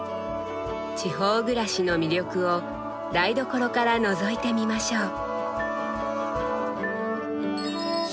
地方暮らしの魅力を「台所」からのぞいてみましょう。